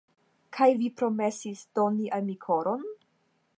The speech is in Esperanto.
Kaj vi promesis doni al mi koron?